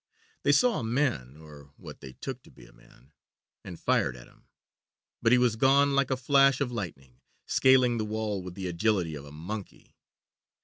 They saw a man, or what they took to be a man, and fired at him, but he was gone like a flash of lightning, scaling the wall with the agility of a monkey.